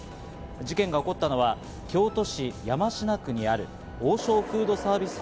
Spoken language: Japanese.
事件が起こったのは京都市山科区にある王将フードサービス